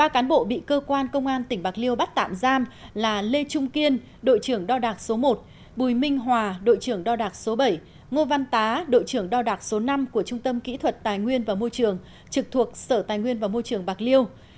ba cán bộ bị cơ quan công an tỉnh bạc liêu bắt tạm giam là lê trung kiên đội trưởng đo đạc số một bùi minh hòa đội trưởng đo đạc số bảy ngô văn tá đội trưởng đo đạc số năm của trung tâm kỹ thuật tài nguyên và môi trường trực thuộc sở tài nguyên và môi trường bạc liêu